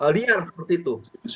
lian seperti itu